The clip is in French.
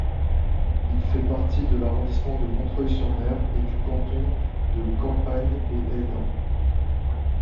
Il fait partie de l'arrondissement de Montreuil-sur-Mer et du canton de Campagne-les-Hesdin.